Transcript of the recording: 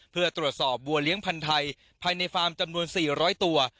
เพื่อตรวจสอบบัวเลี้ยงพันธ์ไทยภายในฟาร์มจำนวน๔๐๐ตัว